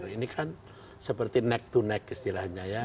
ini kan seperti neck to neck istilahnya ya